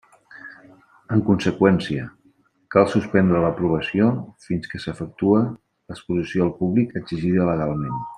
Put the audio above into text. En conseqüència, cal suspendre l'aprovació fins que s'efectue l'exposició al públic exigida legalment.